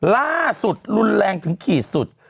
ล่าสุดรุนแรงถึงขีดสุด